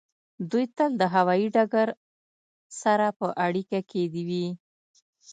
دوی تل د هوایی ډګر سره په اړیکه کې وي